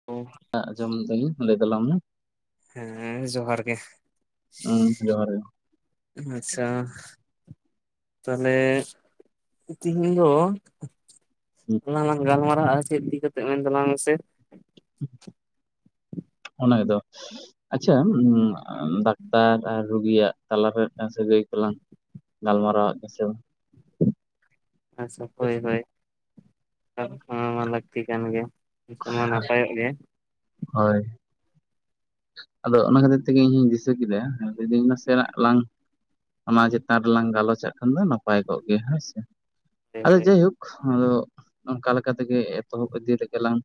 [unintelligible] ᱟᱸᱡᱚᱢ ᱫᱟᱹᱧ ᱞᱟᱹᱭ ᱛᱟᱞᱟᱝ ᱢᱮ, ᱦᱮᱸᱻ ᱡᱚᱦᱟᱨ ᱜᱮ ᱩᱸ, ᱡᱚᱦᱟᱨ ᱜᱮ ᱟᱪᱪᱷᱟ, ᱛᱟᱦᱚᱞᱮ [unintelligible] ᱫᱚ, ᱦᱩᱸ, ᱟᱞᱟᱝ ᱟᱜ ᱜᱟᱞᱢᱟᱨᱟᱣ ᱪᱮᱜ ᱤᱫᱤ ᱠᱟᱛᱮ ᱢᱮᱱ ᱛᱟᱞᱟᱝ ᱢᱮ ᱥᱮ? [inaudible] ᱚᱱᱟᱜᱮ ᱛᱚ? ᱟᱪᱪᱷᱟ ᱫᱟᱠᱛᱟᱨ ᱟᱨ ᱨᱩᱜᱤᱭᱟᱜ ᱛᱟᱞᱟᱨᱮ ᱢᱤᱫᱴᱟᱱ ᱥᱟᱹᱜᱟᱹᱭ ᱠᱚᱞᱟᱝ, ᱜᱟᱞᱢᱟᱨᱟᱣᱟᱜ ᱜᱮᱥᱮ, ᱟᱪᱪᱷᱟ ᱦᱳᱭ ᱦᱳᱭ, ᱚᱱᱟ ᱢᱟ ᱞᱟᱹᱠᱛᱤ ᱠᱟᱱ ᱜᱮᱭᱟ᱾ [unintelligible] ᱢᱟ ᱱᱟᱯᱟᱭᱚᱜ ᱜᱮ ᱦᱳᱭ ᱟᱫᱚ ᱚᱱᱟ ᱠᱷᱟᱹᱛᱤᱨ ᱛᱮᱜᱮ ᱤᱧ ᱦᱚᱧ ᱫᱤᱥᱟᱹ ᱠᱮᱫᱟ ᱞᱟᱹᱭᱫᱤᱧ ᱱᱟᱥᱮᱱᱟᱜ ᱞᱟᱝ ᱚᱱᱟ ᱪᱮᱛᱟᱱ ᱨᱮᱞᱟᱝ ᱜᱟᱞᱚᱪ ᱟᱜ ᱠᱷᱟᱱ ᱫᱚ ᱱᱟᱯᱟᱭ ᱠᱚᱜ ᱠᱮᱭᱟ ᱦᱚᱭ ᱥᱮ, ᱦᱳᱭ ᱟᱫᱚ ᱦᱳᱭ ᱡᱟᱭᱦᱳᱠ ᱟᱫᱚ ᱚᱱᱠᱟ ᱞᱮᱠᱟ ᱛᱮᱜᱮ ᱮᱛᱚᱦᱚᱵ ᱤᱫᱤ ᱞᱮᱜᱮ ᱞᱟᱝ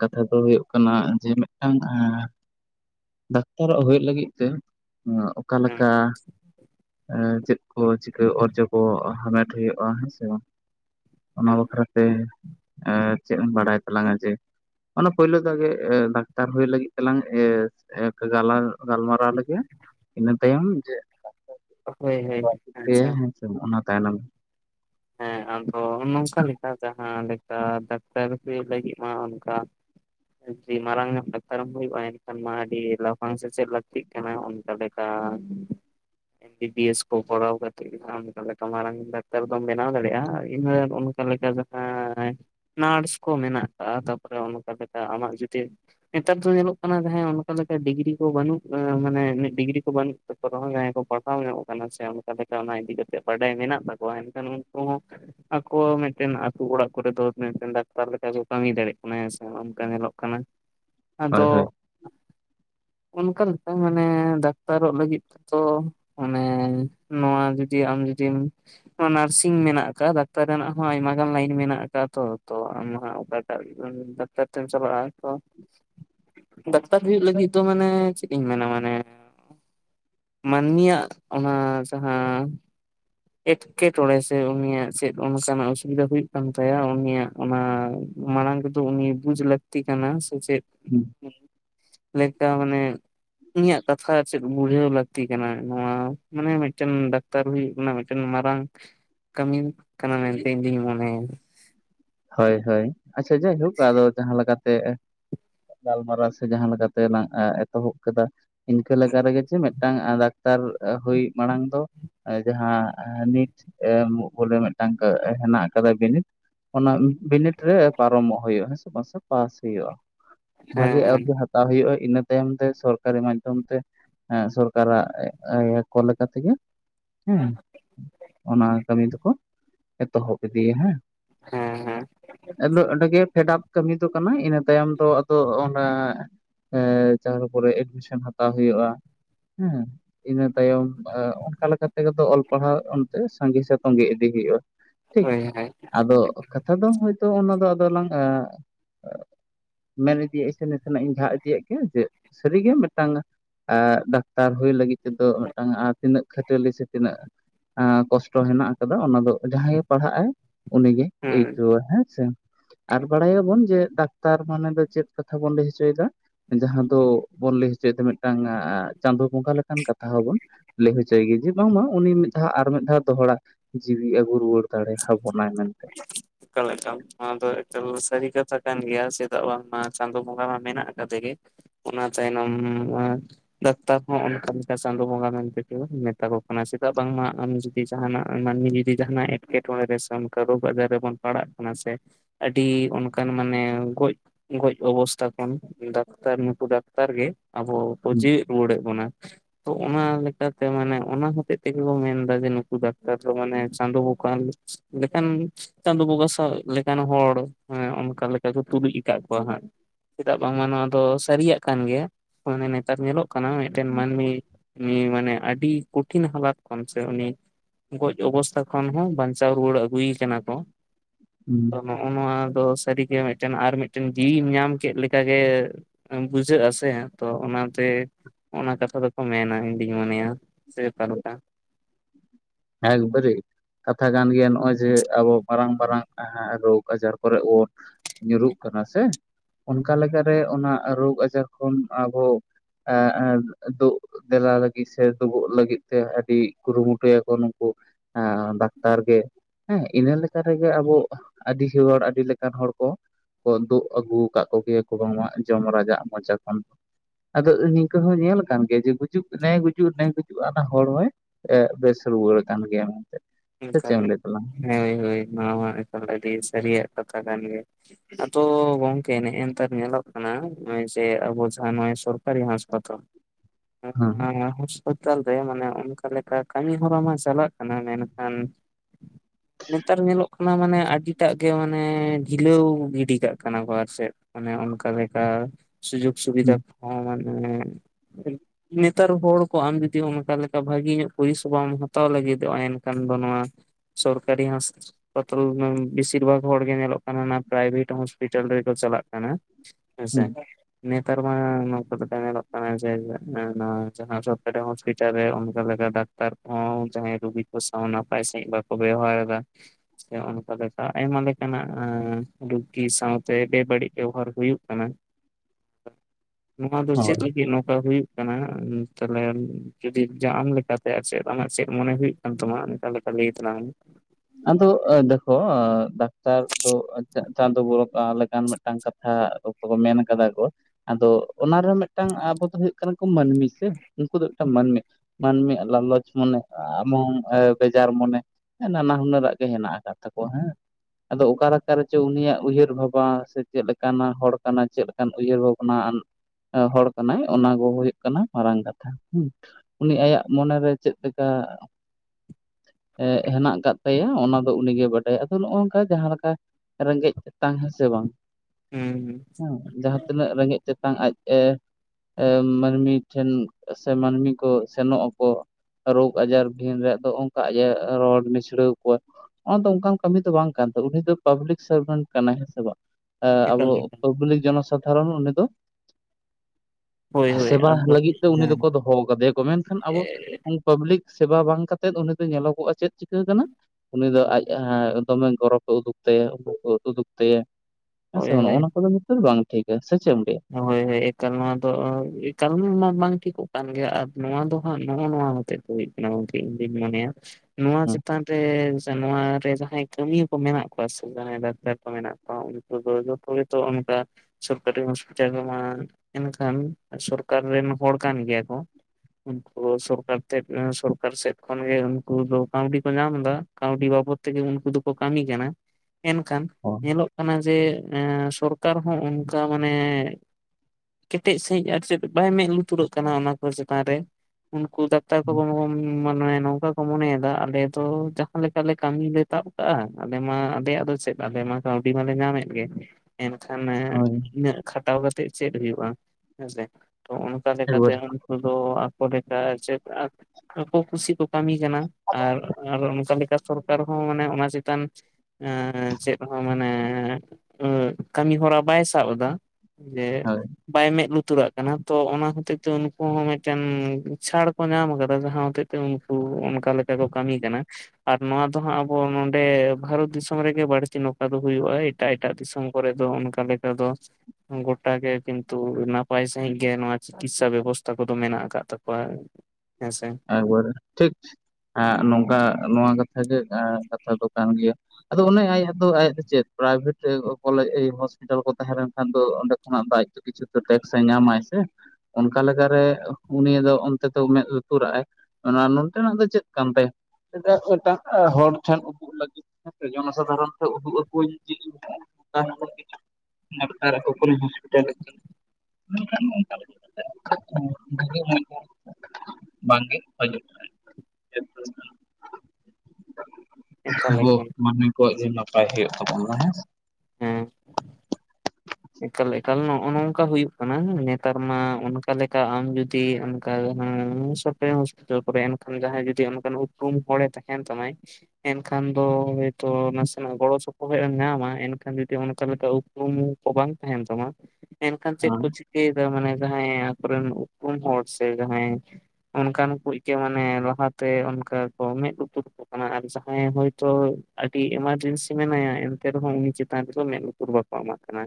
ᱠᱟᱛᱷᱟ ᱫᱚ ᱦᱩᱭᱩᱜ ᱠᱟᱱᱟ ᱡᱮ ᱢᱤᱫᱴᱟᱝ ᱟᱸ ᱫᱟᱠᱛᱟᱨᱚᱜ ᱦᱩᱭᱩᱜ ᱞᱟᱹᱜᱤᱫ ᱛᱮ ᱚᱠᱟ ᱦᱮᱸ ᱞᱮᱠᱟ ᱮ ᱪᱮᱫ ᱠᱚ ᱪᱤᱠᱟᱹ ᱚᱨᱡᱚ ᱠᱚ ᱦᱟᱢᱮᱴ ᱦᱩᱭᱩᱜᱼᱟ ᱦᱮᱸᱥᱮ ᱵᱟᱝ ᱚᱱᱟ ᱦᱮᱸ ᱵᱟᱠᱷᱨᱟ ᱛᱮ ᱟᱹ ᱪᱮᱫ ᱮᱢ ᱵᱟᱲᱟᱭ ᱛᱟᱞᱟᱝᱼᱟ ᱡᱮ ᱚᱱᱟ ᱯᱳᱭᱞᱳ ᱫᱷᱟᱶ ᱜᱮ ᱟᱹ ᱰᱟᱠᱛᱟᱨ ᱦᱩᱭ ᱞᱟᱹᱜᱤᱫ ᱛᱮᱞᱟᱝ ᱟᱹ ᱜᱟᱹᱞᱟ ᱜᱟᱞᱢᱟᱨᱟᱣ ᱞᱮᱜᱮ ᱤᱱᱟᱹ ᱛᱟᱭᱚᱢ ᱡᱮ ᱦᱚᱭ ᱦᱚᱭ ᱪᱤᱠᱟᱹᱭᱟ ᱟᱪᱪᱷᱟ ᱦᱮᱸ ᱥᱮ ᱚᱱᱟ ᱛᱟᱭᱱᱚᱢ ᱦᱮᱸ ᱟᱫᱚ ᱱᱚᱝᱠᱟ ᱞᱮᱠᱟ ᱡᱟᱦᱟᱸ ᱞᱮᱠᱟ ᱫᱟᱠᱛᱟᱨ ᱦᱩᱭᱩᱜ ᱞᱟᱹᱜᱤᱫ ᱢᱟ ᱚᱱᱠᱟ ᱡᱩᱫᱤ ᱢᱟᱨᱟᱝ ᱧᱚᱜ ᱰᱟᱠᱛᱟᱨ ᱮᱢ ᱦᱩᱭᱩᱜᱼᱟ ᱮᱱᱠᱷᱟᱱ ᱢᱟ ᱟᱹᱰᱤ ᱞᱟᱯᱷᱟᱝ ᱥᱮᱪᱮᱫ ᱞᱟᱹᱠᱛᱤ ᱠᱟᱱᱟᱭ ᱚᱱᱠᱟ ᱞᱮᱠᱟ ᱮᱢ ᱵᱤ ᱵᱤ ᱭᱮᱥ ᱠᱚ ᱠᱚᱨᱟᱣ ᱠᱟᱛᱮ ᱜᱮ ᱚᱱᱠᱟ ᱞᱮᱠᱟ ᱢᱟᱨᱟᱝ ᱰᱟᱠᱴᱟᱨ ᱠᱚᱢ ᱵᱮᱱᱟᱣ ᱫᱟᱲᱮᱜᱼᱟ ᱤᱱᱟᱹ ᱚᱱᱠᱟ ᱞᱮᱠᱟ ᱡᱟᱦᱟᱸᱭ ᱱᱟᱨᱥ ᱠᱚ ᱢᱮᱱᱟᱜ ᱟᱠᱟᱜᱼᱟ, ᱛᱟᱯᱚᱨᱮ ᱚᱱᱠᱟ ᱞᱮᱠᱟ ᱟᱢᱟᱜ ᱡᱩᱫᱤ ᱱᱮᱛᱟᱨ ᱫᱚ ᱧᱮᱞᱚᱜ ᱠᱟᱱᱟ, ᱡᱟᱦᱟᱸᱭ ᱚᱱᱠᱟ ᱞᱮᱠᱟ ᱰᱤᱜᱽᱨᱤ ᱠᱚ ᱵᱟᱹᱱᱩᱜ ᱢᱟᱱᱮ ᱰᱤᱜᱽᱨᱤ ᱠᱚ ᱵᱟᱹᱱᱩᱜ ᱠᱚ ᱨᱮᱦᱚᱸ ᱡᱟᱦᱟᱸᱭ ᱠᱚ ᱯᱟᱲᱦᱟᱣ ᱧᱚᱜ ᱠᱟᱱᱟ ᱥᱮ ᱚᱱᱠᱟ ᱞᱮᱠᱟ, ᱚᱱᱟ ᱤᱫᱤ ᱠᱟᱛᱮᱫ ᱵᱟᱰᱟᱭ ᱢᱮᱱᱟᱜ ᱛᱟᱠᱚᱣᱟ ᱮᱱᱠᱷᱟᱱ ᱩᱱᱠᱩ ᱦᱚᱸ ᱟᱠᱚ [unintelligible] ᱢᱤᱫᱴᱮᱱ ᱟᱹᱛᱩ ᱚᱲᱟᱜ ᱠᱚᱨᱮ ᱫᱚ ᱢᱮᱫᱴᱮᱱ ᱰᱟᱠᱛᱟᱨ ᱞᱮᱠᱟ ᱠᱚ ᱠᱟᱹᱢᱤ ᱫᱟᱲᱮᱜ ᱠᱟᱱᱟ ᱦᱮᱸ ᱥᱮ ᱚᱱᱠᱟ ᱧᱮᱞᱚᱜ ᱠᱟᱱᱟ ᱟᱫᱚ ᱦᱳᱭ ᱦᱳᱭ ᱚᱱᱠᱟ ᱞᱮᱠᱟ ᱢᱟᱱᱮ ᱰᱟᱠᱛᱟᱨᱚᱜ ᱞᱟᱹᱜᱤᱫ ᱛᱚ ᱢᱟᱱᱮ ᱱᱚᱣᱟ ᱡᱩᱫᱤ ᱟᱢ ᱡᱩᱫᱤᱢ ᱱᱟᱨᱥᱤᱝ ᱢᱮᱱᱟᱜ ᱟᱠᱟᱜᱼᱟ ᱰᱟᱠᱴᱟᱨ ᱨᱮᱱᱟᱜ ᱦᱚᱸ ᱟᱭᱢᱟ ᱜᱟᱱ ᱞᱟᱭᱤᱱ ᱢᱮᱱᱟᱜ ᱟᱠᱟᱜᱼᱟ ᱛᱚ, ᱛᱚ ᱟᱢ ᱦᱟᱸᱜ ᱚᱠᱟᱴᱟᱜ ᱮᱢ ᱛᱮᱢ ᱪᱟᱞᱟᱜᱼᱟ, ᱛᱚ ᱫᱟᱠᱛᱟᱨ ᱦᱩᱭᱩᱜ ᱞᱟᱹᱜᱤᱫ ᱫᱚ ᱢᱟᱱᱮ ᱪᱮᱫ ᱤᱧ ᱢᱮᱱᱟ ᱢᱟᱱᱮ? ᱢᱟᱹᱱᱢᱤᱭᱟᱜ ᱚᱱᱟ ᱡᱟᱦᱟᱸ ᱮᱴᱠᱮᱴᱚᱲᱮ ᱥᱮ ᱩᱱᱤᱭᱟᱜ ᱪᱮᱫ ᱚᱱᱠᱟᱱᱟᱜ ᱚᱥᱩᱵᱤᱫᱟ ᱦᱩᱭᱩᱜ ᱠᱟᱱ ᱛᱟᱭᱟ? ᱩᱱᱤᱭᱟᱜ ᱚᱱᱟ ᱢᱟᱲᱟᱝ ᱨᱮ ᱫᱚ ᱩᱱᱤ ᱵᱩᱡᱽ ᱞᱟᱹᱠᱛᱤ ᱠᱟᱱᱟ ᱥᱮ ᱪᱮᱫ ᱦᱩᱸ᱾ ᱞᱮᱠᱟ ᱢᱟᱱᱮ ᱩᱱᱤᱭᱟᱜ ᱠᱟᱛᱷᱟ ᱪᱮᱫ ᱵᱩᱡᱷᱟᱹᱣ ᱞᱟᱹᱠᱛᱤ ᱠᱟᱱᱟ, ᱱᱚᱣᱟ ᱢᱟᱱᱮ ᱢᱤᱫᱴᱮᱱ ᱰᱟᱠᱛᱟᱨ ᱦᱩᱭᱩᱜ ᱠᱟᱱᱟ ᱢᱤᱫᱴᱮᱱ ᱢᱟᱨᱟᱝ ᱠᱟᱹᱢᱤ ᱠᱟᱱᱟ ᱢᱮᱱᱛᱮ ᱤᱧᱫᱩᱧ ᱢᱚᱱᱮᱭᱟ ᱦᱳᱭ ᱦᱳᱭ ᱟᱪᱪᱷᱟ ᱡᱟᱭᱦᱳᱠ ᱟᱫᱚ ᱡᱟᱦᱟᱸ ᱞᱮᱠᱟ ᱛᱮᱜᱼᱮ ᱜᱟᱞᱢᱟᱨᱟᱣ ᱥᱮ ᱡᱟᱦᱟᱸ ᱞᱮᱠᱟᱛᱮ ᱞᱟᱝ ᱟᱸ ᱮᱛᱚᱦᱚᱵ ᱠᱟᱫᱟ ᱤᱱᱠᱟᱹ ᱞᱮᱠᱟ ᱨᱮᱜᱮ ᱪᱮ ᱢᱤᱫᱴᱟᱝ ᱟᱸ ᱰᱟᱠᱛᱟᱨ ᱦᱩᱭ ᱢᱟᱲᱟᱝ ᱫᱚ ᱡᱟᱦᱟᱸ ᱟᱺ ᱱᱤᱴ ᱟᱹ ᱵᱚᱞᱮ ᱢᱤᱫᱴᱟᱝ ᱦᱮᱱᱟᱜ ᱟᱠᱟᱫᱟ ᱵᱤᱱᱤᱰ ᱚᱱᱟ ᱢᱤᱱᱤᱴ ᱨᱮ ᱯᱟᱨᱚᱢᱚᱜ ᱦᱩᱭᱩᱜᱼᱟ, ᱦᱮᱸ ᱥᱮ ᱵᱟᱸᱥᱮ ᱯᱟᱥ ᱦᱩᱭᱩᱜᱼᱟ᱾ ᱵᱷᱟᱹᱜᱤ ᱦᱮᱸ ᱟᱨᱡᱚ ᱦᱟᱛ ᱛᱟᱣ ᱦᱩᱭᱩᱜᱼᱟ ᱤᱱᱟᱹ ᱛᱟᱭᱚᱢ ᱛᱮ ᱥᱚᱨᱠᱟᱨᱤ ᱢᱟᱫᱽᱫᱷᱚᱢ ᱛᱮ ᱦᱮᱸ ᱥᱚᱨᱠᱟᱨᱟᱜ ᱤᱭᱟᱹ ᱠᱚ ᱞᱮᱠᱟ ᱛᱮᱜᱮ ᱦᱮᱸ ᱚᱱᱟ ᱠᱟᱹᱢᱤ ᱫᱚᱠᱚ ᱮᱛᱚᱦᱚᱵ ᱤᱫᱤᱭᱟ ᱦᱮᱸ ᱦᱮᱸ ᱦᱮᱸ᱾ ᱟᱫᱚ ᱚᱸᱰᱮ ᱜᱮ ᱯᱷᱮᱰᱟᱛ ᱠᱟᱹᱢᱤ ᱫᱚ ᱠᱟᱱᱟ᱾ ᱤᱱᱟᱹ ᱛᱟᱭᱚᱢ ᱫᱚ ᱟᱫᱚ ᱚᱱᱟ ᱮ ᱪᱟᱨᱯᱚᱨᱮ ᱮᱰᱢᱤᱥᱚᱱ ᱦᱟᱛᱟᱣ ᱦᱩᱭᱩᱜᱼᱟ ᱦᱮᱸ᱾ ᱤᱱᱟᱹ ᱛᱟᱭᱚᱢ ᱚᱱᱠᱟ ᱞᱮᱠᱟ ᱛᱮᱜᱮ ᱫᱚ ᱚᱞ ᱯᱟᱲᱦᱟᱣ ᱚᱱᱛᱮ ᱥᱟᱸᱜᱮ ᱥᱟ ᱛᱚᱝᱜᱮ ᱤᱫᱤ ᱦᱩᱭᱩᱜᱼᱟ᱾ ᱴᱷᱤᱠ, ᱦᱳᱭ ᱦᱳᱭ ᱟᱫᱚ ᱠᱟᱛᱷᱟ ᱫᱚ ᱦᱳᱭᱛᱳ ᱚᱱᱟ ᱫᱚ ᱟᱫᱚ ᱞᱟᱝ ᱢᱮᱱ ᱤᱫᱤᱭᱮᱜ ᱥᱮ ᱱᱟᱥᱮᱱᱟᱜ ᱤᱧ ᱡᱷᱟᱜ ᱤᱫᱤᱭᱮᱫ ᱜᱮ ᱡᱮ ᱥᱟᱹᱨᱤ ᱜᱮ ᱢᱤᱫᱴᱟᱝ ᱟᱹ ᱰᱟᱠ ᱴᱟᱨ ᱦᱩᱭᱩᱜ ᱞᱟᱹᱜᱤᱫ ᱛᱮᱫᱚ ᱢᱤᱫᱴᱟᱝ ᱟᱨ ᱛᱤᱱᱟᱹᱜ, ᱠᱷᱟᱹᱴᱟᱹᱞᱤ ᱥᱮ ᱛᱤᱱᱟᱹᱜ ᱟᱸ ᱠᱚᱥᱴᱚ ᱦᱮᱱᱟᱜ ᱟᱠᱟᱫᱟ, ᱚᱱᱟ ᱫᱚ ᱡᱟᱸᱦᱟᱭ ᱮ ᱯᱟᱲᱦᱟᱜ ᱟᱭ, ᱩᱱᱤᱜᱮ ᱦᱩᱸ ᱟᱹᱭᱠᱟᱹᱣᱼᱟ ᱦᱮᱸ ᱥᱮ᱾ ᱟᱨ ᱵᱟᱲᱟᱭ ᱟᱵᱚᱱ ᱡᱮ ᱰᱟᱠᱴᱟᱨ ᱢᱟᱱᱮ ᱫᱚ ᱪᱮᱫ ᱠᱟᱛᱷᱟ ᱵᱚᱱ ᱞᱟᱹᱭ ᱦᱚᱪᱚᱭ ᱮᱫᱟ᱾ ᱡᱟᱸᱦᱟ ᱫᱚ ᱵᱚᱱ ᱞᱟᱹᱭ ᱦᱚᱪᱚᱭ ᱮᱫᱟ, ᱢᱤᱫᱴᱟᱝ ᱪᱟᱸᱫᱳ ᱵᱚᱸᱜᱟ ᱞᱮᱠᱟᱱ ᱠᱟᱛᱷᱟ ᱦᱚᱸ ᱵᱚᱱ, ᱞᱟᱹᱭ ᱦᱚᱪᱚᱭ ᱜᱮᱭᱟ, ᱡᱮ ᱵᱟᱝᱢᱟ ᱩᱱᱤ ᱢᱤᱫ ᱫᱷᱟᱣ ᱟᱨ ᱢᱤᱫ ᱫᱷᱟᱣ ᱫᱚᱦᱚᱲᱟ ᱡᱤᱣᱤ ᱟᱹᱜᱩ ᱨᱩᱣᱟᱹᱲ ᱫᱟᱲᱮ ᱟᱵᱚ ᱱᱟᱭ ᱢᱮᱱᱛᱮ, [inaudible] ᱮᱠᱟᱞ [unintelligible] ᱱᱚᱣᱟ ᱫᱚ ᱥᱟᱹᱨᱤ ᱠᱟᱛᱷᱟ ᱠᱟᱱ ᱜᱮᱭᱟ᱾ ᱪᱮᱫᱟᱜ ᱵᱟᱝᱢᱟ ᱪᱟᱸᱫᱳ ᱵᱚᱸᱜᱟ ᱢᱟ ᱢᱮᱱᱟᱜ ᱟᱠᱟᱫᱮ ᱜᱮ᱾ ᱚᱱᱟ ᱛᱟᱭᱱᱚᱢ [unintelligible] ᱟᱨ ᱰᱟᱠᱴᱟᱨ ᱦᱚᱸ ᱚᱱᱠᱟ ᱞᱮᱠᱟ ᱪᱟᱸᱫᱳ ᱵᱚᱸᱜᱟ ᱢᱮᱱ ᱛᱮᱜᱮ ᱠᱚ ᱢᱮᱛᱟ ᱠᱚ ᱠᱟᱱᱟ᱾ ᱪᱮᱫᱟᱜ ᱵᱟᱝᱢᱟ ᱟᱢ ᱡᱚ ᱫᱤ ᱡᱟᱦᱟᱱᱟᱜ ᱢᱟᱹᱱᱢᱤ ᱡᱚᱫᱤ ᱡᱟᱦᱟᱱᱟᱜ ᱮᱸᱴᱠᱮ ᱴᱚᱬᱮ ᱨᱮ ᱥᱮ ᱚᱱᱠᱟ ᱨᱳᱜᱽ ᱟᱡᱟᱨ ᱨᱮ ᱵᱚᱱ ᱯᱟᱲᱟᱜ ᱠᱟᱱᱟ ᱥᱮ, ᱟᱹᱰᱤ ᱚᱱᱠᱟᱱ ᱢᱟᱱᱮ ᱜᱚᱡᱽ, ᱜᱚᱡᱽ ᱚᱵᱚᱥᱛᱷᱟ ᱠᱷᱚᱱ ᱰᱟᱠᱛᱟᱨ ᱱᱩᱠᱩ ᱰᱟᱠᱛᱟᱨ ᱜᱮ ᱟᱵᱚ ᱠᱚ ᱦᱩᱸ ᱡᱤᱣᱤᱫ, ᱨᱩᱣᱟᱹᱲ ᱮᱜ ᱵᱚᱱᱟ᱾ ᱛᱚ ᱚᱱᱟ ᱞᱮᱠᱟᱛᱮ ᱢᱟᱱᱮ ᱚᱱᱟ ᱦᱚᱛᱮᱫ ᱛᱮᱜᱮ ᱵᱚ ᱢᱮᱱ ᱫᱟ, ᱡᱮ ᱱᱩᱠᱩ ᱰᱟᱠᱛᱟᱨ ᱫᱚ ᱢᱟᱱᱮ ᱪᱟᱸᱫᱳ ᱵᱚᱸᱜ ᱠᱟᱱ ᱞᱮᱠᱟᱱ᱾ ᱪᱟᱸᱫᱳ ᱵᱚᱸᱜᱟ ᱥᱟᱶ ᱞᱮᱠᱟᱱ ᱦᱚᱲ ᱮ ᱚᱱᱠᱟ ᱞᱮᱠᱟ ᱠᱚ ᱛᱩᱞᱩᱡ ᱟᱠᱟᱫ ᱠᱚᱣᱟ ᱦᱟᱸᱜ, ᱪᱮᱫᱟᱜ ᱵᱟᱝᱢᱟ ᱱᱚᱣᱟ ᱫᱚ ᱥᱟᱹᱨᱤᱭᱟᱜ ᱠᱟᱱ ᱜᱮᱭᱟ, ᱱᱮᱛᱟᱨ ᱧᱮᱞᱚᱜ ᱠᱟᱱᱟ ᱢᱤᱫᱴᱮᱱ ᱢᱟᱹᱱᱢᱤ, ᱩᱸ ᱢᱟᱱᱮ ᱟᱹᱰᱤ ᱠᱚᱴᱷᱤᱱ ᱦᱟᱞᱟᱛ ᱠᱷᱚᱱ ᱥᱮ ᱩᱱᱤ ᱜᱚᱡᱽ ᱚᱵᱚᱥᱛᱷᱟ ᱠᱷᱚᱱ ᱦᱚᱸ, ᱵᱟᱧᱪᱟᱣ ᱨᱩᱣᱟᱹᱲ ᱟᱹᱜᱩ ᱮ ᱠᱟᱱᱟ ᱠᱚ, ᱦᱩᱸ ᱛᱚ ᱱᱚᱣ ᱱᱚᱜ ᱱᱚᱣᱟ ᱫᱚ ᱥᱟᱹᱨᱤᱜᱮ ᱢᱤᱫᱴᱮᱱ ᱟᱨ ᱢᱤᱫᱴᱮᱱ ᱡᱤᱣᱤᱢ ᱧᱟᱢ ᱠᱮᱫ ᱞᱮᱠᱟ ᱜᱮ, ᱵᱩᱡᱷᱟᱹᱜᱼᱟ ᱥᱮ ᱛᱚ ᱚᱱᱟ ᱛᱮ, ᱚᱱᱟ ᱠᱟᱛᱷᱟ ᱫᱚᱠᱚ ᱢᱮᱱᱟ ᱤᱧᱫᱩᱧ ᱢᱚᱱᱮᱭᱟ, ᱥᱮ ᱚᱠᱟ ᱞᱮᱠᱟ? ᱮᱠᱵᱟᱨᱮ ᱠᱟᱛᱷᱟ ᱠᱟᱱ ᱜᱮᱭᱟ ᱱᱚᱜᱼᱚᱭ ᱡᱮ ᱟᱵᱚ ᱢᱟᱨᱟᱝ ᱢᱟᱨᱟᱝ ᱨᱳᱜᱽ, ᱟᱡᱟᱨ, ᱠᱚᱨᱮ [unintelligible] ᱧᱩᱨᱩᱜ ᱠᱟᱱᱟ ᱥᱮ, ᱚᱱᱠᱟ ᱞᱮᱠᱟᱨᱮ ᱚᱱᱟ ᱨᱳᱜᱽ ᱟᱡᱟᱨ ᱠᱷᱚᱱ ᱟᱵᱚ [unintelligible] ᱫᱩᱜ ᱫᱮᱞᱟ ᱞᱟᱹᱜᱤᱫ ᱥᱮ ᱫᱩᱜ ᱞᱟᱹᱜᱤᱫ ᱛᱮ ᱟᱹᱰᱤ ᱠᱩᱨᱩᱢᱩᱴᱩᱭᱟ ᱠᱩ ᱱᱩᱠᱩ ᱰᱟᱠᱛᱟᱨ ᱜᱮ᱾ ᱦᱮᱸ, ᱤᱱᱟᱹ ᱞᱮᱠᱟ ᱨᱮᱜᱮ ᱟᱵᱚ ᱟᱹᱰᱤ ᱦᱚᱲ ᱟᱹᱰᱤ ᱞᱮᱠᱟᱱ ᱦᱚᱲ ᱠᱚ, ᱫᱳᱜ ᱟᱹᱜᱩ ᱠᱟᱜ ᱠᱚ ᱜᱮᱭᱟ ᱠᱚ ᱵᱟᱝᱢᱟ ᱡᱚᱢ ᱨᱟᱡᱟᱜᱼᱟ ᱢᱚᱪᱟ ᱠᱷᱚᱱ᱾ ᱟᱫᱚ ᱱᱤᱧᱠᱟᱹ ᱦᱚᱸ ᱧᱮᱞ ᱠᱟᱱ ᱜᱮᱭᱟ ᱡᱮ, ᱜᱩᱡᱩᱜ ᱠᱟᱱᱟᱭ ᱜᱩᱡᱩᱜ [unintelligible] ᱚᱱᱟ ᱦᱚᱲ ᱦᱚᱭ, ᱮᱸᱜ ᱵᱮᱥ ᱨᱩᱣᱟᱹᱲ ᱠᱟᱱ ᱜᱮᱭᱟ ᱢᱮᱱᱛᱮ᱾ ᱥᱮ ᱪᱮᱫ ᱮᱢ ᱮᱠᱟᱞᱮ ᱞᱟᱹᱭ ᱛᱟᱞᱟᱝᱟ? ᱦᱮᱸ ᱦᱮᱸ ᱱᱚᱣᱟ ᱢᱟ ᱮᱠᱟᱞ ᱟᱹᱰᱤ ᱥᱟᱹᱨᱤᱭᱟᱜ ᱠᱟᱛᱷᱟ ᱠᱟᱱ ᱜᱮ᱾ ᱟᱫᱚ ᱜᱚᱝᱠᱮ ᱱᱮᱜ ᱱᱮᱛᱟᱨ ᱧᱮᱞᱚᱜ ᱠᱟᱱᱟ ᱱᱚᱜᱼᱚᱭ ᱡᱮ, ᱟᱵᱚ ᱡᱟᱸᱦᱟ ᱱᱚᱜᱼᱚᱭ ᱥᱚᱨᱠᱟᱨᱤ ᱦᱟᱸᱥᱯᱟᱛᱟᱞ, ᱦᱮᱸ [unintelligible] ᱨᱮ ᱚᱱᱠᱟ ᱞᱮᱠᱟ ᱠᱟᱹᱢᱤ ᱦᱚᱨᱟ ᱢᱟ ᱪᱟᱞᱟᱜ ᱠᱟᱱᱟ, ᱢᱮᱱᱠᱷᱟᱱ ᱱᱮᱛᱟᱨ ᱧᱮᱞᱚᱜ ᱠᱟᱱᱟ ᱢᱟᱱᱮ ᱟᱹᱰᱤ ᱴᱟᱜ ᱜᱮ ᱰᱷᱤᱞᱟᱹᱣ ᱜᱤᱰᱤ ᱠᱟᱜ ᱠᱟᱱᱟ ᱠᱚ, ᱟᱨ ᱪᱮᱫ ᱚᱱᱮ ᱚᱱᱠᱟ ᱞᱮᱠᱟ ᱥᱩᱡᱳᱜᱽ ᱥᱩᱵᱤᱫᱷᱟ ᱦᱩᱸ ᱠᱚᱦᱚᱸ ᱢᱟᱱᱮ, ᱱᱮᱛᱟᱨ ᱦᱚᱲ ᱠᱚ ᱟᱢ ᱡᱚᱫᱤ ᱚᱱᱠᱟ ᱞᱮᱠᱟ ᱵᱷᱟᱹᱜᱤ ᱧᱚᱜ ᱯᱚᱨᱤᱥᱮᱵᱟᱢ ᱦᱟᱛᱟᱣ ᱞᱟᱹᱜᱤᱫᱚᱜᱼᱟ ᱮᱱ, ᱠᱷᱟᱱ ᱫᱚ ᱱᱚᱣᱟ ᱥᱚᱨᱠᱟᱨᱤ ᱦᱟᱸᱥ ᱯᱟᱴᱟᱞ ᱵᱟᱝ ᱵᱮᱥᱤᱨ ᱵᱷᱟᱜᱽ ᱦᱚᱲ ᱜᱮ ᱧᱮᱞᱚᱜ ᱠᱟᱱᱟ ᱚᱱᱟ ᱯᱨᱟᱭᱵᱷᱮᱴ ᱦᱟᱸᱥᱯᱟᱛᱟᱞ ᱨᱮᱠᱚ ᱪᱟᱞᱟᱜ ᱠᱟᱱᱟ᱾ ᱦᱮᱸ ᱥᱮ ᱦᱩᱸ ᱱᱮᱛᱟᱨ ᱢᱟ ᱱᱚᱝᱠᱟ ᱧᱮᱞᱚᱜ ᱠᱟᱱᱟ ᱡᱮ, ᱡᱟᱦᱟᱸ ᱥᱚᱨᱠᱟᱨᱤ ᱦᱟᱸᱥᱯᱟᱛᱟᱞ ᱨᱮ ᱚᱱᱠᱟ ᱞᱮᱠᱟ ᱰᱟᱠ ᱛᱟᱨ ᱦᱚᱸ ᱡᱟᱦᱟᱸᱭ ᱨᱩᱜᱤ ᱠᱚ ᱥᱟᱶ ᱱᱟᱯᱟᱭ ᱥᱟᱺᱦᱤᱡ ᱵᱟᱠᱚ ᱵᱮᱣᱦᱟᱨ ᱮᱫᱟ, ᱚᱱᱠᱟ ᱞᱮᱠᱟ ᱟᱭᱢᱟ ᱞᱮᱠᱟᱱᱟᱜ ᱨᱩᱜᱤ ᱥᱟᱶᱛᱮ ᱵᱮ-ᱵᱟᱹᱲᱤᱡ ᱵᱮᱵᱚᱦᱟᱨ ᱦᱩᱭᱩᱜ ᱠᱟᱱᱟ᱾ ᱱᱚᱣᱟ ᱫᱚ ᱪᱮᱫ ᱦᱳᱭ ᱞᱟᱹᱜᱤᱫ ᱱᱚᱝᱠᱟ ᱦᱩᱭᱩᱜ ᱠᱟᱱᱟ? ᱠᱟᱱᱟ ᱛᱟᱦᱚᱞᱮ ᱡᱚᱫᱤ ᱟᱢ ᱞᱮᱠᱟᱛᱮ ᱪᱮᱫ ᱟᱢᱟᱜ ᱪᱮᱫ ᱢᱚᱱᱮ ᱦᱩᱭᱩᱜ᱾ ᱠᱟᱱ ᱛᱟᱢᱟ ᱚᱱᱠᱟ ᱞᱮᱠᱟ ᱞᱟᱹᱭ ᱢᱮ? ᱟᱫᱚ ᱫᱮᱠᱷᱚ ᱰᱟᱠᱴᱟᱨ ᱫᱚ ᱪᱟᱸᱫᱚ ᱵᱚᱸᱜᱟ ᱞᱮᱠᱟᱱ ᱢᱤᱫᱴᱟᱝ ᱠᱟᱛᱷᱟ ᱦᱟᱜ [unintelligible] ᱠᱚ ᱢᱮ ᱢᱮᱱ ᱠᱟᱫᱟ ᱠᱚ ᱟᱫᱚ ᱚᱱᱟᱨᱮᱦᱚᱸ ᱢᱮᱫᱴᱟᱝ ᱟᱵᱚ ᱫᱚ ᱦᱩᱭᱩᱜ ᱠᱟᱱᱟ ᱠᱚ ᱢᱟᱹᱱᱢᱤ ᱥᱮ ᱩᱱᱠᱩ ᱫᱚ ᱢᱤᱫᱴᱟᱝ ᱢᱟᱹᱱᱢᱤ ᱾ ᱢᱟᱹᱱᱢᱤᱭᱟᱜ ᱞᱟᱞᱚᱪ ᱢᱚᱱᱮ [unintelligible] ᱵᱮᱡᱟᱨ ᱢᱚᱱᱮ ᱱᱟᱱᱟ ᱦᱩᱱᱟᱹᱨᱟᱜ ᱜᱮ ᱦᱮᱱᱟᱜ ᱟᱠᱟᱫ ᱛᱟᱠᱚᱣᱟ ᱦᱮᱸ ᱾ ᱟᱫᱚ ᱚᱠᱟ ᱞᱟᱠᱟ ᱨᱮ ᱪᱚ ᱩᱱᱤᱭᱟᱜ ᱩᱭᱦᱟᱹᱨ ᱵᱷᱟᱵᱟᱣ ᱥᱮ ᱪᱮᱫ ᱞᱮᱠᱟᱱᱟᱜ ᱦᱚᱲ ᱠᱟᱱᱟ ᱪᱮᱫ ᱞᱮᱠᱟᱱ ᱩᱭᱦᱟᱹᱨ ᱵᱷᱟᱵᱽᱱᱟ ᱦᱚᱲ ᱠᱟᱱᱟᱭ ᱚᱱᱟ ᱜᱚ ᱦᱩᱭᱩᱜ ᱠᱟᱱᱟ ᱢᱟᱨᱟᱝ ᱠᱟᱛᱷᱟ ᱦᱩᱸ ᱩᱱᱤ ᱟᱭᱟᱜ ᱢᱚᱱᱮᱨᱮ ᱪᱮᱫᱞᱮᱠᱟ, ᱮ ᱦᱮᱱᱟᱜ ᱟᱠᱟᱫ ᱛᱟᱭᱟ ᱟᱭᱟ ᱚᱱᱟ ᱫᱚ ᱩᱱᱤᱜᱮᱭ ᱵᱟᱰᱟᱭᱟ ᱟᱫᱚ ᱱᱚᱜ ᱱᱚᱝᱠᱟ ᱡᱟᱦᱟᱸ ᱞᱮᱠᱟ ᱨᱮᱸᱜᱮᱡ ᱛᱮᱛᱟᱝ ᱦᱮᱸ ᱥᱮ ᱵᱟᱝ ᱦᱩᱸ ᱦᱮᱸ ᱡᱟᱦᱟᱸ ᱛᱤᱱᱟᱹᱜ ᱨᱮᱸᱜᱮᱡ ᱛᱮᱛᱟᱝ ᱟᱡ ᱮ ᱮ ᱢᱟᱹᱱᱢᱤ ᱴᱷᱮᱱ ᱥᱮ ᱢᱟᱹᱱᱢᱤ ᱠᱚ ᱥᱮᱱᱚᱜ ᱟᱠᱚ ᱨᱳᱜᱽ ᱟᱡᱟᱨ ᱵᱷᱤᱱ ᱨᱮᱭᱟᱜ ᱫᱚ ᱚᱱᱠᱟᱜ ᱜᱮᱭᱟ ᱨᱚᱲ ᱢᱤᱥᱲᱟᱹᱣ ᱠᱚᱣᱟ ᱚᱱᱟ ᱫᱚ ᱚᱱᱠᱟᱱ ᱠᱟᱹᱢᱤ ᱫᱚ ᱵᱟᱝ ᱠᱟᱱ ᱛᱟᱭ ᱩᱱᱤ ᱫᱚ ᱯᱟᱵᱽᱞᱤᱠ ᱥᱟᱨᱵᱷᱮᱱᱴ ᱠᱟᱱᱟᱭ ᱦᱮᱸ ᱥᱮ ᱵᱟᱝ ᱮ ᱟᱵᱚ ᱮᱠᱟᱞ ᱮᱠᱟᱞ ᱯᱟᱵᱽᱞᱤᱠ ᱡᱚᱱᱚᱥᱟᱫᱷᱟᱨᱚᱱ ᱩᱱᱤ ᱫᱚ ᱦᱳᱭ ᱾ ᱦᱳᱭ ᱥᱮᱵᱟ ᱟᱫᱚ ᱞᱟᱹᱜᱤᱫ ᱛᱮ ᱩᱱᱤ ᱦᱮᱸ ᱫᱚᱠᱚ ᱫᱚᱦᱚ ᱠᱟᱫᱮᱭᱟ ᱠᱚ ᱢᱮᱱᱠᱷᱟᱱ ᱟᱵᱚ ᱯᱟᱵᱽᱞᱤᱠ ᱥᱮᱵᱟ ᱵᱟᱝ ᱠᱟᱛᱮᱫ ᱩᱱᱤ ᱫᱚ ᱧᱮᱞᱚᱜᱚᱜᱼᱟ ᱪᱮᱫ ᱪᱤᱠᱟᱹ ᱠᱟᱱᱟ ᱩᱱᱤ ᱫᱚ ᱟᱡ ᱫᱚᱢᱮ ᱜᱚᱨᱚᱵᱽ ᱮ ᱩᱫᱩᱜ ᱛᱟᱭᱟ ᱩ ᱩᱫᱩᱜ ᱛᱟᱭᱟ, ᱦᱮᱸ ᱥᱮ ᱦᱳᱭ ᱱᱚ ᱦᱳᱭ ᱚᱱᱟ ᱠᱚᱫᱚ ᱱᱤᱛᱚᱜ ᱵᱟᱝ ᱴᱷᱤᱠᱟ ᱥᱮ ᱪᱮᱫ ᱮᱢ ᱞᱟᱹᱭᱟ ᱦᱳᱭ ᱦᱳᱭ ᱮᱠᱟᱞ ᱱᱚᱣᱟ ᱫᱚ ᱮᱠᱟᱞ ᱱᱚᱣᱟ ᱢᱟ ᱵᱟᱝ ᱴᱷᱤᱠᱚᱜ ᱠᱟᱱ ᱜᱮᱭᱟ ᱟᱨ ᱱᱚᱣᱟ ᱫᱚ ᱦᱟᱸᱜ ᱱᱚᱜᱼᱚ ᱱᱚᱣᱟ ᱦᱚᱛᱮᱫ ᱦᱩᱭᱩᱜ ᱠᱟᱱᱟ ᱜᱚᱢᱠᱮ ᱤᱧ ᱫᱩᱧ ᱢᱚᱱᱮᱭᱟ ᱱᱚᱣᱟ ᱪᱮᱛᱟᱱ ᱨᱮ ᱥᱮ ᱱᱚᱣᱟ ᱨᱮ ᱡᱟᱦᱟᱸᱭ ᱠᱟᱹᱢᱤᱭᱟᱹ ᱠᱚ ᱢᱮᱱᱟᱜ ᱠᱚᱣᱟ ᱥᱮ ᱰᱟᱠᱛᱟᱨ ᱠᱚ ᱢᱮᱱᱟᱜ ᱠᱚᱣᱟ ᱩᱱᱠᱩ ᱫᱚ ᱡᱚᱛᱚ ᱜᱮᱛᱚ ᱚᱱᱠᱟ ᱥᱚᱨᱠᱟᱨᱤ ᱦᱚᱥᱯᱤᱴᱟᱞ ᱨᱮᱢᱟ ᱮᱱᱠᱷᱟᱱ ᱥᱚᱨᱠᱟᱨ ᱨᱮᱱ ᱦᱚᱲ ᱠᱟᱱ ᱜᱮᱭᱟ ᱠᱚ ᱩᱱᱠᱩ ᱥᱚᱨᱠᱟᱨ ᱴᱷᱮᱫ ᱥᱚᱨᱠᱟᱨ ᱥᱮᱫ ᱠᱷᱚᱱᱜᱮ ᱩᱱᱠᱩ ᱫᱚ ᱠᱟᱹᱣᱰᱤ ᱠᱚ ᱧᱟᱢ ᱮᱫᱟ ᱾ ᱠᱟᱹᱣᱰᱤ ᱵᱟᱵᱚᱛ ᱛᱮᱜᱮ ᱩᱱᱠᱩ ᱫᱚᱠᱚ ᱠᱟᱹᱢᱤ ᱠᱟᱱᱟ, ᱮᱱᱠᱷᱟᱱ ᱚ ᱧᱮᱞᱚᱜ ᱠᱟᱱᱟ ᱡᱮ ᱮᱸ ᱥᱚᱨᱠᱟᱨ ᱦᱚᱸ ᱚᱱᱠᱟ ᱢᱟᱱᱮ ᱠᱮᱴᱮᱡ ᱥᱟᱺᱦᱤᱡ ᱟᱨ ᱪᱮᱫ ᱵᱟᱭ ᱢᱮᱫ ᱞᱩᱛᱩᱨᱚᱜ ᱠᱟᱱᱟ ᱚᱱᱟ ᱠᱚ ᱪᱮᱛᱟᱱ ᱨᱮ, ᱩᱱᱠᱩ ᱰᱟᱠᱛᱟᱨ ᱠᱚ [unintelligible] ᱢᱟᱱᱮ ᱱᱚᱝᱠᱟ ᱠᱚ ᱢᱚᱱᱮᱭᱮᱫᱟ ᱟᱞᱮ ᱫᱚ ᱡᱟᱦᱟᱸ ᱞᱮᱠᱟᱞᱮ ᱠᱟᱹᱢᱤ ᱞᱮ ᱛᱟᱵ ᱠᱟᱜᱼᱟ ᱟᱞᱮ ᱢᱟ ᱟᱞᱮᱭᱟᱜ ᱫᱚ ᱪᱮᱫ? ᱟᱞᱮ ᱢᱟ ᱠᱟᱹᱣᱰᱤ ᱢᱟᱞᱮ ᱧᱟᱢᱮᱫ ᱜᱮ᱾ ᱮᱱᱠᱷᱟᱱ ᱮ ᱩᱱᱟᱹᱜ ᱠᱷᱟᱴᱟᱣ ᱠᱟᱛᱮᱜ ᱪᱮᱫ ᱦᱩᱭᱩᱜᱼᱟ ᱦᱮᱸᱥᱮ ᱛᱚ ᱚᱱᱠᱟ ᱞᱮᱠᱟᱛᱮ ᱮᱠᱵᱟᱨ ᱩᱱᱠᱩ ᱫᱚ ᱟᱠᱚ ᱞᱮᱠᱟ ᱪᱮᱫ ᱟ ᱟᱠᱚ ᱠᱩᱥᱤ ᱠᱚ ᱠᱟᱹᱢᱤ ᱠᱟᱱᱟ ᱟᱨ ᱟᱨ ᱚᱱᱠᱟ ᱞᱮᱠᱟ ᱥᱚᱨᱠᱟᱨ ᱦᱚᱸ ᱢᱟᱱᱮ ᱚᱱᱟ ᱪᱮᱛᱟᱱ ᱮᱸᱻ ᱪᱮᱫᱦᱚᱸ ᱢᱟᱱᱮ ᱠᱟᱹᱢᱤᱦᱚᱨᱟ ᱵᱟᱭ ᱥᱟᱵ ᱮᱫᱟ᱾ ᱡᱮ ᱦᱳᱭ ᱵᱟᱭ ᱢᱮᱫ ᱞᱩᱛᱩᱨᱟᱜ ᱠᱟᱱᱟ ᱛᱚ ᱚᱱᱟ ᱦᱚᱛᱮᱡ ᱛᱚ ᱱᱩᱠᱩ ᱦᱚᱸ ᱢᱤᱫᱴᱮᱱ ᱪᱷᱟᱲ ᱠᱚ ᱧᱟᱢ ᱟᱠᱟᱫᱟ ᱡᱟᱦᱟᱸ ᱦᱚᱛᱮᱡ ᱩᱱᱠᱩ ᱚᱱᱠᱟ ᱞᱮᱠᱟ ᱠᱚ ᱠᱟᱹᱢᱤ ᱠᱟᱱᱟ ᱾ ᱟᱨ ᱱᱚᱣᱟ ᱫᱚ ᱦᱟᱸᱜ ᱟᱵᱚ ᱱᱚᱰᱮ ᱵᱷᱟᱨᱚᱛ ᱫᱤᱥᱚᱢ ᱨᱮᱜᱮ ᱵᱟᱹᱲᱛᱤ ᱱᱚᱝᱠᱟ ᱫᱚ ᱦᱩᱭᱩᱜᱼᱟ ᱾ ᱮᱴᱟᱜ ᱮᱴᱟᱜ ᱫᱤᱥᱚᱢ ᱠᱚᱨᱮ ᱫᱚ ᱚᱱᱠᱟ ᱞᱮᱠᱟ ᱫᱚ ᱜᱚᱴᱟ ᱜᱮ ᱠᱤᱱᱛᱩ ᱱᱟᱯᱟᱭ ᱥᱟᱺᱦᱤᱡ ᱜᱮ, ᱱᱚᱣᱟ ᱪᱤᱠᱤᱛᱥᱟ ᱵᱮᱵᱚᱥᱛᱷᱟ ᱠᱚᱫᱚ ᱢᱮᱱᱟᱜ ᱟᱠᱟᱫ ᱛᱟᱠᱚᱣᱟ ᱾ ᱦᱮᱸ ᱥᱮ᱾ ᱮᱠᱵᱟᱨᱮ ᱴᱷᱤᱠ ᱮᱸ ᱱᱚᱝᱠᱟ ᱱᱚᱣᱟ ᱠᱟᱛᱷᱟ ᱜᱮ ᱠᱟᱛᱷᱟ ᱫᱚ ᱠᱟᱱ ᱜᱮᱭᱟ ᱾ ᱟᱫᱚ ᱚᱱᱮ ᱟᱭᱟᱜ ᱫᱚ ᱟᱭᱟᱜ ᱫᱚ ᱪᱮᱫ ᱯᱨᱟᱭᱵᱷᱮᱴ ᱠᱟᱞᱮᱡᱽ ᱦᱚᱥᱯᱤᱴᱟᱞ ᱠᱚ ᱛᱟᱦᱮᱸ ᱞᱮᱱᱠᱷᱟᱱ ᱫᱚ ᱚᱸᱰᱮ ᱚᱸᱰᱮ ᱫᱚ ᱟᱡᱛᱮ ᱠᱤᱪᱷᱩ ᱴᱮᱠᱥ ᱮ ᱧᱟᱢᱟᱭ ᱥᱮ ᱚᱱᱠᱟ ᱞᱮᱠᱟᱨᱮ ᱩᱱᱤ ᱫᱚ ᱚᱱᱛᱮ ᱫᱚ ᱢᱮᱫ ᱛᱩᱨᱟᱜ ᱟᱭ, ᱚᱱᱟ ᱱᱚᱱᱛᱮᱱᱟᱜ ᱫᱚ ᱪᱮᱫ ᱠᱟᱱ ᱛᱟᱭᱟ, [unintelligible] ᱮᱴᱟᱜ ᱦᱚᱲ ᱴᱷᱮᱱ ᱩᱫᱩᱜ ᱞᱟᱹᱜᱤᱫ ᱦᱮᱸ ᱥᱮ ᱡᱚᱱᱚᱥᱟᱫᱷᱟᱨᱚᱱ ᱴᱷᱮᱱ ᱩᱫᱩᱜ ᱟᱠᱚᱣᱟᱹᱧ [inaudible] [inaudible] [unintelligible] ᱦᱚᱥᱯᱤᱴᱟᱞ [unintelligible] ᱵᱟᱝ ᱜᱮ [unintelligible] ᱮᱠᱟᱞ ᱟᱵᱚ ᱮᱠᱟᱞ ᱢᱟᱱᱢᱤ ᱠᱚᱣᱟᱜ ᱡᱮ ᱱᱟᱯᱟᱭ ᱦᱩᱭᱩᱜ ᱛᱟᱵᱚᱱᱟ ᱦᱮᱸ ᱦᱮᱸ᱾ ᱮᱠᱟᱞ ᱮᱠᱟᱞ ᱱᱚᱜᱼᱚᱭ ᱱᱚᱝᱠᱟ ᱦᱩᱭᱩᱜ ᱠᱟᱱᱟ, ᱱᱮᱛᱟᱨ ᱢᱟ ᱚᱱᱠᱟ ᱞᱮᱠᱟ ᱟᱢ ᱡᱩᱫᱤ ᱚᱱᱠᱟ ᱥᱚᱨᱠᱟᱨᱤ ᱦᱚᱥᱯᱤᱴᱟᱞ ᱠᱚᱨᱮ ᱮᱱᱠᱷᱟᱱ ᱡᱟᱦᱟᱸᱭ ᱡᱩᱫᱤ ᱚᱱᱠᱟᱱ ᱩᱯᱨᱩᱢ ᱦᱚᱲᱮ ᱛᱟᱦᱮᱱ ᱛᱟᱢᱟ, ᱮᱱᱠᱷᱟᱱ ᱫᱚ ᱦᱚᱭᱛᱚ ᱱᱟᱥᱮᱱᱟᱜ ᱜᱚᱲᱚ ᱥᱚᱯᱚᱦᱚᱫ ᱮᱢ ᱧᱟᱢᱟ ᱠᱷᱟᱱ ᱛᱚ ᱚᱱᱠᱟ ᱞᱮᱠᱟ ᱩᱯᱨᱩᱢᱩ ᱠᱚ ᱵᱟᱝ ᱛᱟᱦᱮᱱ ᱛᱟᱢᱟ ᱮᱱᱠᱷᱟᱱ ᱪᱮᱫ ᱠᱚ ᱪᱤᱠᱟᱹ ᱪᱤᱠᱟᱹᱭᱟ ᱢᱟᱱᱮ ᱡᱟᱦᱟᱸᱭ ᱟᱠᱚ ᱨᱮᱱ ᱩᱯᱨᱩᱢ ᱦᱚᱲ ᱥᱮ ᱡᱟᱦᱟᱸᱭ ᱚᱱᱠᱟᱱ ᱠᱚ ᱤᱠᱮ ᱢᱟᱱᱮ ᱞᱟᱦᱟ ᱛᱮ ᱚᱱᱠᱟ ᱠᱚ ᱢᱮᱫ ᱞᱩᱛᱩᱨ ᱟᱨ ᱡᱟᱦᱟᱸᱭ ᱦᱚᱭᱛᱚ ᱟᱹᱰᱤ ᱮᱢᱟᱨᱡᱮᱱᱥᱤ ᱢᱮᱱᱟᱭᱟ, ᱮᱱᱛᱮ ᱨᱮᱦᱚᱸ ᱩᱱᱤ ᱪᱮᱛ ᱪᱮᱛᱟᱱ ᱨᱮ ᱫᱚ ᱢᱮᱫ ᱞᱩᱛᱩᱨ ᱵᱟᱠᱚ ᱮᱢᱟᱜ ᱠᱟᱱᱟ᱾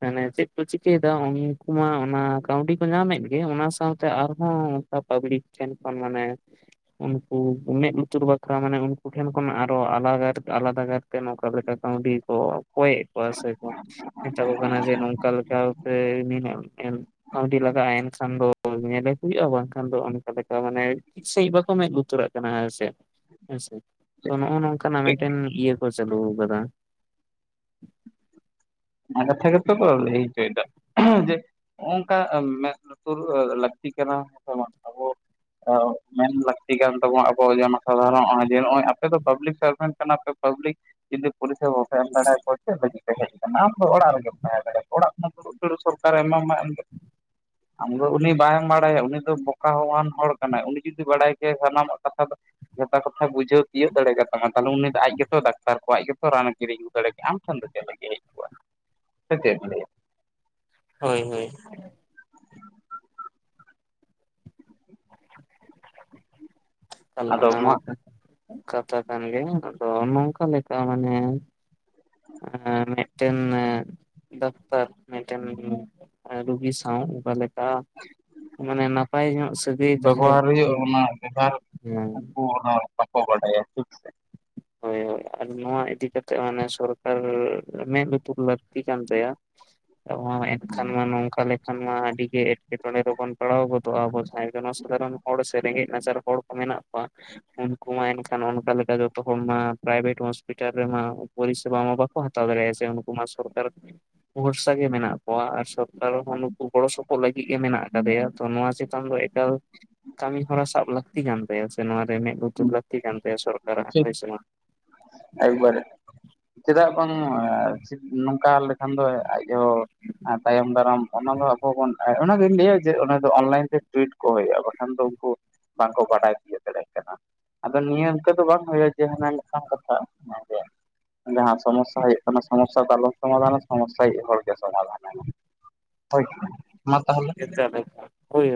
ᱢᱟᱱᱮ ᱪᱮᱫ ᱠᱚ ᱪᱤᱠᱟᱹᱭ ᱮᱫᱟ ᱩᱱᱠᱩ ᱢᱟ ᱚᱱᱟ ᱠᱟᱹᱣᱰᱤ ᱠᱚ ᱧᱟᱢᱮᱫ ᱜᱮ ᱚᱱᱟ ᱥᱟᱶᱛᱮ ᱟᱨᱦᱚᱸ ᱯᱟᱵᱞᱤᱠ ᱴᱷᱮᱱ ᱠᱷᱚᱱ ᱢᱟᱱᱮ ᱩᱱᱠᱩ ᱢᱮᱫ ᱞᱩᱛᱩᱨ ᱵᱟᱠᱷᱨᱟ ᱢᱟᱱᱮ ᱩᱱᱠᱩ ᱴᱷᱮᱱ ᱠᱷᱚᱱ ᱟᱨᱚ ᱟᱞᱟ ᱟᱞᱟᱫᱟ ᱜᱟᱨ ᱱᱚᱠᱟ ᱞᱮᱠᱟ ᱠᱟᱹᱣᱰᱤ ᱠᱚ ᱠᱚᱭᱼᱮ ᱠᱚᱭᱟ ᱥᱮ ᱠᱚ ᱢᱮᱛᱟ ᱠᱚ ᱠᱟᱱᱟ ᱡᱮ ᱱᱚᱝᱠᱟ ᱞᱮᱠᱟ ᱱᱤᱱᱟᱜ ᱠᱟᱹᱣᱰᱤ ᱞᱟᱜᱟᱜᱼᱟ, ᱮᱱ ᱠᱷᱟᱱ ᱫᱚ ᱧᱮᱞᱮ ᱦᱩᱭᱩᱜᱼᱟ, ᱵᱟᱝᱠᱷᱟᱱ ᱫᱚ ᱚᱱᱠᱟ ᱞᱮᱠᱟ ᱢᱟᱱᱮ ᱴᱷᱤᱠ ᱥᱟᱺᱦᱤᱡ ᱵᱟᱠᱚ ᱢᱮᱸᱫᱽ ᱞᱩᱛᱩᱹᱨᱟᱜ ᱠᱟᱱᱟ ᱦᱮᱸᱥᱮ᱾ ᱟᱪᱪᱷᱟ, ᱛᱚ ᱱᱚᱜᱼᱚ ᱱᱚᱝᱠᱟᱱᱟᱜ ᱥᱮ ᱢᱤᱫᱴᱮᱱ ᱤᱭᱟᱹ ᱠᱚ ᱪᱟᱹᱞᱩ ᱠᱟᱫᱟ᱾ [inaudible] ᱱᱚᱣᱟ ᱠᱟᱛᱷᱟ ᱜᱮᱛᱚ ᱠᱚ ᱞᱟᱹᱭ ᱪᱚᱭ ᱫᱟ ᱡᱮ ᱱᱚᱝᱠᱟ ᱢᱮᱫ ᱞᱩᱛᱩᱨ ᱞᱟᱹᱠᱛᱤ ᱠᱟᱱᱟ ᱦᱮᱥᱮ ᱵᱟᱝ ᱟᱵᱚ [inaudible] ᱢᱮᱱ ᱞᱟᱹᱠᱛᱤ ᱠᱟᱱ ᱛᱟᱵᱚᱱᱟ ᱟᱵᱚ ᱡᱚᱱ ᱥᱟᱫᱷᱟᱨᱚᱱ ᱱᱚᱜᱼᱚᱭ ᱡᱮ ᱱᱚᱜᱼᱚᱭ ᱟᱯᱮ ᱫᱚ ᱯᱟᱵᱽᱞᱤᱠ ᱥᱟᱨᱵᱷᱮᱱᱴ ᱠᱟᱱᱟ ᱯᱮ ᱯᱟᱵᱽᱞᱤᱠ ᱡᱩᱫᱤ ᱯᱩᱞᱤᱥ ᱴᱷᱮᱵᱚ ᱥᱮᱱᱫᱟᱲᱮ ᱠᱚ ᱥᱮ ᱪᱮᱫᱽ ᱯᱮ ᱪᱤᱠᱟᱹᱭ ᱮᱫᱟ? ᱟᱢ ᱫᱚ ᱚᱲᱟᱜ ᱨᱮᱜᱮᱢ ᱛᱟᱦᱮᱸ ᱫᱟᱲᱮᱭᱟᱜᱼᱟ᱾ ᱚᱲᱟᱜ ᱠᱷᱚᱱ ᱫᱩᱨᱩᱯ ᱫᱩᱨᱩᱯ ᱥᱚᱨᱠᱟᱨᱮ ᱮᱢᱟᱢᱟ ᱮᱢᱟᱱ ᱟᱢ ᱫᱚ ᱩᱱᱤ ᱵᱟᱝ ᱵᱟᱲᱟᱭᱟ᱾ ᱩᱱᱤ ᱫᱚ ᱵᱚᱠᱟ ᱦᱚᱸ ᱟᱱ ᱦᱚᱲ ᱠᱟᱱᱟᱭ ᱩᱱᱤ ᱡᱩᱫᱤ ᱵᱟᱲᱟᱭ ᱠᱮᱟᱭ ᱥᱟᱱᱟᱢᱟᱜ ᱠᱟᱛᱷᱟ ᱫᱚ ᱡᱚᱛᱟ ᱠᱟᱛᱷᱟ ᱵᱩᱡᱷᱟᱹᱣ ᱛᱤᱭᱳᱜ ᱫᱟᱲᱮ ᱠᱟᱛᱟ ᱢᱟ ᱛᱟᱦᱚᱞᱮ ᱩᱱᱤ ᱫᱚ ᱟᱡ ᱜᱮᱛᱚ ᱰᱟᱠᱛᱟᱨ ᱠᱚ ᱟᱡ ᱜᱮᱛᱚ ᱨᱟᱱᱮ ᱠᱤᱨᱤᱧ ᱟᱜᱩ ᱫᱟᱲᱮ ᱠᱮᱭᱟ᱾ ᱟᱢ ᱴᱷᱮᱱ ᱫᱚ ᱪᱮᱫ ᱞᱟᱜᱤᱛ ᱦᱮᱡ? ᱠᱚᱜᱼᱟ ᱥᱮ ᱪᱮᱫ ᱵᱤᱱ ᱞᱟᱹᱭᱟᱹ? ᱦᱳᱭ ᱦᱳᱭ᱾ ᱚᱱᱟ ᱢᱟ ᱠᱟᱛᱷᱟ ᱠᱟᱱ ᱜᱮᱭᱟ ᱟᱫᱚ ᱱᱚᱝᱠᱟ ᱞᱮᱠᱟ ᱢᱟᱱᱮ ᱢᱤᱫᱴᱮᱱ ᱫᱚᱠᱛᱚᱨ ᱢᱤᱫᱴᱮᱱ ᱨᱩᱜᱤ ᱥᱟᱶ ᱚᱠᱟᱞᱮᱠ ᱢᱟᱱᱮ ᱱᱟᱯᱟᱭ ᱧᱚᱜ ᱥᱟᱹᱜᱟᱹᱭ ᱛᱟᱦᱮᱸ ᱵᱮᱵᱚᱦᱟᱨ ᱦᱮᱸ᱾ ᱚ [unintelligible] ᱵᱟᱠᱚ ᱠᱚᱰᱟᱭᱟ ᱴᱷᱤᱠ ᱥᱮ? ᱦᱳᱭ ᱦᱳᱭ᱾ ᱟᱨ ᱱᱚᱣᱟ ᱤᱫᱤ ᱠᱟᱛᱮᱜ ᱢᱟᱱᱮ ᱥᱚᱨᱠᱟᱨ ᱢᱮᱫ ᱞᱩᱛᱩᱨ ᱞᱟᱹᱠᱛᱤ ᱠᱟᱱ ᱛᱟᱭᱟ? [inaudible] ᱮᱱᱠᱷᱟᱱ ᱢᱟ ᱱᱚᱝᱠᱟ ᱞᱮᱠᱷᱟᱱ ᱢᱟ ᱟᱹᱰᱤ ᱜᱮ ᱮᱸᱴᱠᱮᱴᱚᱬᱮ ᱨᱮᱵᱚᱱ ᱯᱟᱲᱟᱣ ᱜᱚᱫᱚᱜᱼᱟ ᱟᱵᱚ ᱡᱟᱦᱟᱸᱭ ᱡᱚᱱᱚ ᱥᱟᱫᱷᱟᱨᱚᱱ ᱦᱚᱲ ᱥᱮ ᱨᱮᱸᱜᱮᱡ ᱱᱟᱪᱟᱨ ᱦᱚᱲ ᱠᱚ ᱢᱮᱱᱟᱜ ᱠᱚᱣᱟ ᱩᱱᱠᱩ ᱢᱟ ᱮᱱᱠᱷᱟᱱ ᱚᱱᱠᱟ ᱞᱮᱠᱟ ᱫᱚ ᱛᱚᱠᱷᱚᱱ ᱢᱟ ᱯᱨᱟᱭᱵᱷᱮᱴ ᱦᱚᱥᱯᱤᱴᱟᱞ ᱨᱮᱢᱟ ᱯᱚᱨᱤᱥᱮᱵᱟ ᱢᱟ ᱵᱟᱠᱚ ᱦᱟᱛᱟᱣ ᱫᱟᱲᱮᱭᱟᱜᱼᱟ ᱥᱮ ᱩᱱᱠᱩ ᱢᱟ ᱥᱚᱨᱠᱟᱨ ᱵᱷᱚᱨᱥᱟ ᱜᱮ ᱢᱮᱱᱟᱜ ᱠᱚᱣᱟ ᱟᱨ ᱥᱚᱨᱠᱟᱨ ᱦᱚᱸ ᱱᱩᱠᱩ ᱜᱚᱲᱚ ᱥᱚᱯᱚᱦᱚᱫ ᱞᱟᱹᱜᱤᱫ ᱜᱮ ᱢᱮᱱᱟᱜ ᱟᱠᱟᱫᱮᱭᱟ ᱛᱚ ᱱᱚᱶᱟ ᱪᱮᱛᱟᱱ ᱫᱚ ᱮᱠᱟᱞ ᱠᱟᱹᱢᱤ ᱦᱚᱨᱟ ᱥᱟᱵ ᱞᱟᱹᱠᱛᱤ ᱠᱟᱱ ᱛᱟᱭᱟ ᱥᱮ ᱱᱚᱣᱟ ᱨᱮ ᱢᱮᱫ ᱞᱩᱛᱩᱨ ᱞᱟᱹᱠᱛᱤ ᱠᱟᱱᱛᱟᱭᱟ ᱥᱚᱨᱠᱟᱨᱟᱜ ᱴᱷᱤᱠ ᱦᱚᱭ ᱥᱮ ᱢᱟ ᱮᱠᱵᱟᱨᱮ ᱪᱮᱫᱟᱜ ᱵᱟᱝ ᱢᱟ ᱱᱚᱝᱠᱟ ᱞᱮᱠᱷᱟᱱ ᱫᱚ ᱟᱡᱦᱚᱸ ᱛᱟᱭᱚᱢ ᱫᱟᱨᱟᱢ ᱚᱱᱟ ᱫᱚ ᱟᱵᱚ ᱵᱚᱱ ᱚᱱᱟᱜᱤᱧ ᱞᱟᱹᱭᱟ ᱡᱮ ᱚᱱᱟ ᱫᱚ ᱚᱱᱞᱟᱭᱤᱱ ᱛᱮ [inaudible] ᱦᱩᱭᱩᱜᱼᱟ ᱵᱟᱠᱷᱟᱱ ᱫᱚ ᱩᱱᱠᱩ ᱵᱟᱝᱠᱚ ᱵᱟᱰᱟᱭ ᱛᱤᱭᱳ ᱫᱟᱲᱮᱭᱟᱜ ᱠᱟᱱᱟ ᱟᱫᱚ ᱱᱤᱭᱟᱹ ᱚᱱᱠᱟ ᱫᱚ ᱵᱟᱝ ᱦᱩᱭᱩᱜᱼᱟ ᱡᱮ ᱦᱟᱱᱟᱝ ᱢᱤᱫᱴᱟᱝ ᱠᱟᱷᱟ ᱡᱟᱦᱟᱸ ᱥᱚᱢᱚᱥᱟ ᱦᱩᱭᱩᱜ ᱠᱟᱱᱟ ᱥᱚᱢᱚ ᱥᱟ ᱫᱚ ᱟᱞᱚᱢ ᱥᱚᱢᱟᱷᱟᱱ ᱟ ᱥᱚᱢᱚᱥᱟᱭᱤᱡ ᱦᱚᱲ ᱥᱚᱢᱟᱷᱟᱱ ᱢᱟ ᱛᱟᱦᱚᱞᱮ ᱪᱟᱞ-ᱟᱹᱧ ᱦᱳᱭ